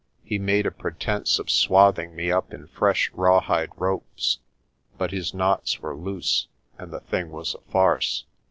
He made a pretence of swathing me up in fresh rawhide ropes, but his knots were loose and the thing was a farce.